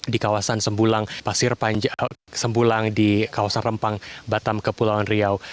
di kawasan sembulang pasir sembulang di kawasan rempang batam kepulauan riau